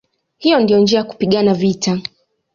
Hiyo ndiyo njia ya kupigana vita".